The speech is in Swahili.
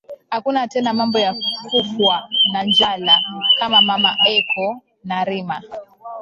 Akuna tena mambo ya kufwa na njala kama mama eko na rima